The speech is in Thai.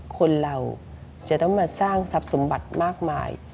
คนเราจะต้องมาสร้างทรัพย์สมบัติมากมาย